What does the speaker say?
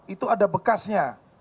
itu ada bekasnya